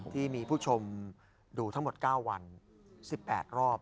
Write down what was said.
ที่มีผู้ชมดูทั้งหมด๙วัน๑๘รอบ